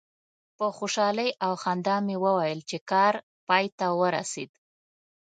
په خوشحالي او خندا مې وویل چې کار پای ته ورسید.